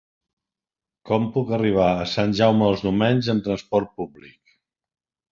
Com puc arribar a Sant Jaume dels Domenys amb trasport públic?